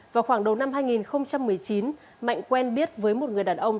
vào khoảng đầu năm hai nghìn một mươi chín mạnh quen biết với một người đàn ông